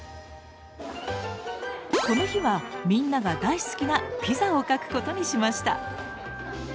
この日はみんなが大好きなピザを描くことにしました。